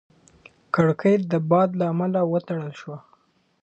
کړکۍ د باد له امله وتړل شوه.